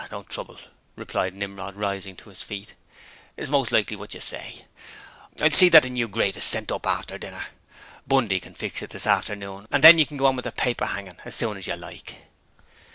'Don't trouble,' replied Nimrod, rising to his feet. 'It's most likely what you say. I'll see that the new grate is sent up after dinner. Bundy can fix it this afternoon and then you can go on papering as soon as you like.'